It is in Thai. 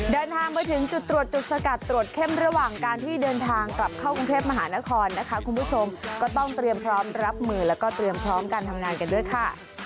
เดินทางมาถึงจุดตรวจจุดสกัดตรวจเข้มระหว่างการที่เดินทางกลับเข้ากรุงเทพมหานครนะคะคุณผู้ชมก็ต้องเตรียมพร้อมรับมือแล้วก็เตรียมพร้อมการทำงานกันด้วยค่ะ